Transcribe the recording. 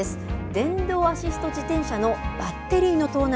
電動アシスト自転車のバッテリーの盗難